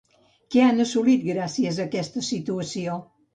Què han assolit gràcies a aquesta situació?